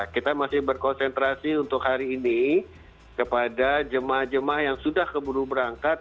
kita masih berkonsentrasi untuk hari ini kepada jemaah jemaah yang sudah keburu berangkat